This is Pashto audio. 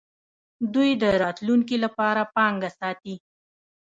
دوی د راتلونکي لپاره پانګه ساتي.